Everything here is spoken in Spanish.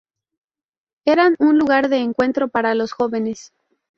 Eran un lugar de encuentro para los jóvenes.